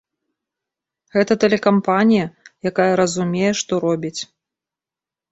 Гэта тэлекампанія, якая разумее, што робіць.